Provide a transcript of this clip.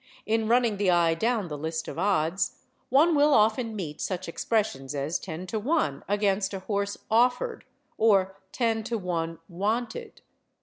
In running the eye down the list of odds, one will often meet such expressions as 10 to 1 against such a horse offered, or 10 to 1 wanted.